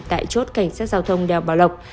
tại chốt cảnh sát giao thông đèo bảo lộc